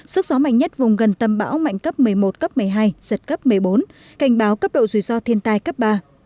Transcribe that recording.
sức gió mạnh nhất vùng gần tâm bão mạnh cấp một mươi một cấp một mươi hai giật cấp một mươi bốn cảnh báo cấp độ rủi ro thiên tai cấp ba